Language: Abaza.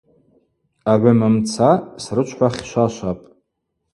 Агӏвыма мца срычвхӏвахьшвашвапӏ.